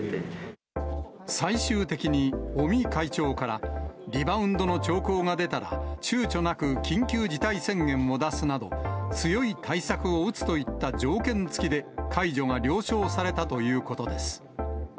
最終的に、尾身会長から、リバウンドの兆候が出たら、ちゅうちょなく緊急事態宣言を出すなど、強い対策を打つといった条件付きで、解除が了承されたということです。